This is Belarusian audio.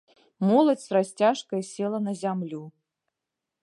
Моладзь з расцяжкай села на зямлю.